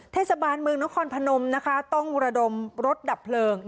เทศบาลเมืองนครพนมนะคะต้องระดมรถดับเพลิง